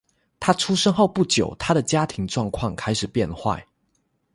他出生后不久他的家庭状况开始变坏。